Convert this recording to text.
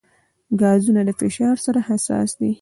ګازونه د فشار سره حساس دي.